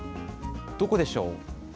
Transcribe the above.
どこでしょう？